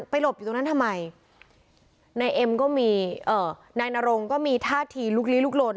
หลบอยู่ตรงนั้นทำไมนายเอ็มก็มีเอ่อนายนรงก็มีท่าทีลุกลี้ลุกลน